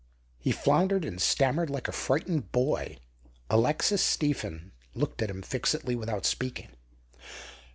He floundered and stammered like a frightened boy. Alexis Stephen looked at him fixedly without speaking.